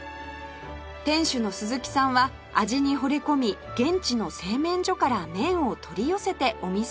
店主の鈴木さんは味にほれ込み現地の製麺所から麺を取り寄せてお店をオープン